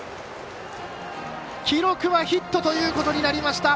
記録はヒットということになりました。